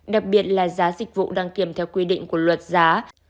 đặc biệt là giá dịch vụ đăng kiểm theo quy định của luật giá